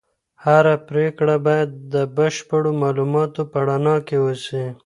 هره پریکړه باید د بشپړو معلوماتو په رڼا کي وسي.